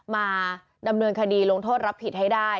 มาดำเนินคดีลงโทษรับผิดให้ได้